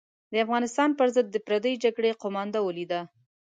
د افغانستان پر ضد د پردۍ جګړې قومانده ولیده.